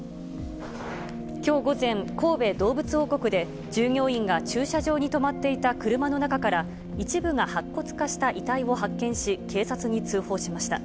きょう午前、神戸どうぶつ王国で従業員が駐車場に止まっていた車の中から、一部が白骨化した遺体を発見し、警察に通報しました。